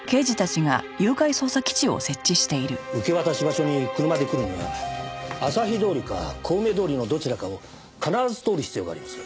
受け渡し場所に車で来るにはあさひ通りか小梅通りのどちらかを必ず通る必要があります。